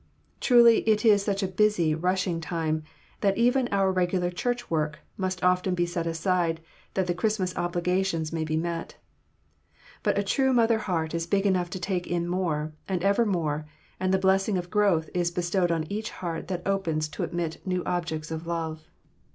Truly it is such a busy, rushing time that even our regular church work must often be set aside that the Christmas obligations may be met. But a true mother heart is big enough to take in more, and ever more, and the blessing of growth is bestowed on each heart that opens to admit new objects of love.